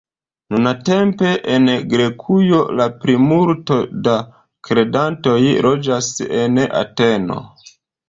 Nuntempe en Grekujo la plimulto da kredantoj loĝas en Ateno.